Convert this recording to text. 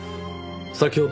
先ほど。